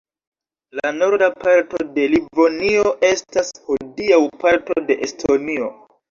La norda parto de Livonio estas hodiaŭ parto de Estonio.